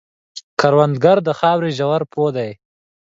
کروندګر د خاورې ژور پوه دی